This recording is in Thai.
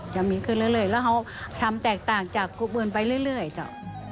จะมีขึ้นเรื่อยแล้วเขาทำแตกต่างจากครูอื่นไปเรื่อยเจ้า